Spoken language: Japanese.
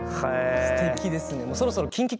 すてきですね。